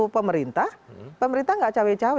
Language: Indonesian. pemerintah pemerintah nggak cawe cawe